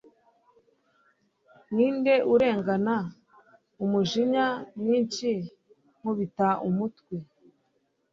Ninde urengana umujinya mwinshi nkubita umutwe